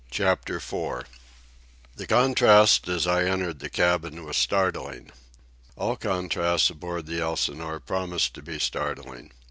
CHAPTER IV. The contrast, as I entered the cabin, was startling. All contrasts aboard the Elsinore promised to be startling.